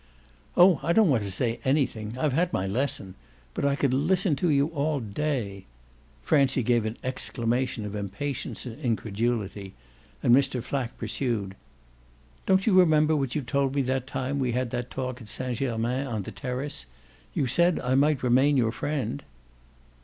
"Oh I don't want to say anything, I've had my lesson. But I could listen to you all day." Francie gave an exclamation of impatience and incredulity, and Mr. Flack pursued: "Don't you remember what you told me that time we had that talk at Saint Germain, on the terrace? You said I might remain your friend."